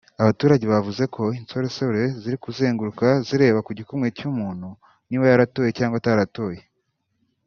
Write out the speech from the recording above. Abaturage bavuze ko insoresore ziri kuzenguruka zireba ku gikumwe cy’umuntu niba yaratoye cyangwa ataratoye